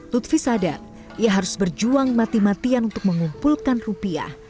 lutfi sadar ia harus berjuang mati matian untuk mengumpulkan rupiah